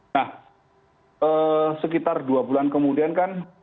nah sekitar dua bulan kemudian kan